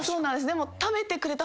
でも。